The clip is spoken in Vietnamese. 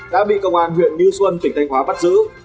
đã bị công an huyện như xuân tỉnh thanh hóa bắt giữ